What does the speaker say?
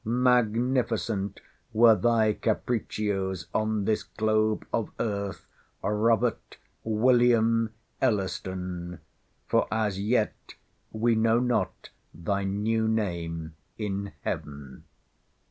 Magnificent were thy capriccios on this globe of earth, ROBERT WILLIAM ELLISTON! for as yet we know not thy new name in heaven.